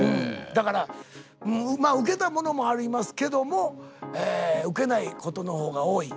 だからウケたものもありますけどもウケないことの方が多い。